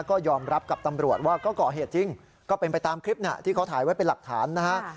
ก็ยอมรับกับตำรวจว่าก็ก่อเหตุจริงก็เป็นไปตามคลิปที่เขาถ่ายไว้เป็นหลักฐานนะฮะ